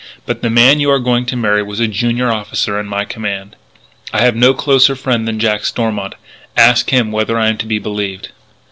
But the man you are going to marry was a junior officer in my command. I have no closer friend than Jack Stormont. Ask him whether I am to be believed."